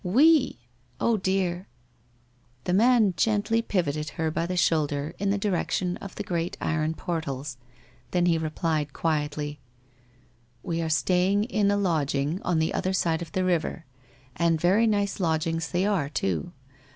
We! .. Oh, dear !' The man gently pivoted her by the shoulder in the direction of the great iron portals. Then he replied quietly :* We are staying in lodging on the other side of the river, and very nice lodgings they are too.